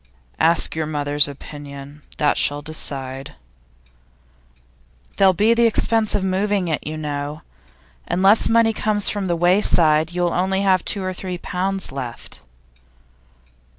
'Ask your mother's opinion. That shall decide.' 'There'll be the expense of moving it, you know. Unless money comes from The Wayside, you'll only have two or three pounds left.